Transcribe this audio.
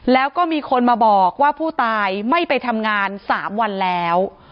แล้วก็มีคนมาบอกว่าผู้ตายไม่ไปทำงาน๓วันแล้ว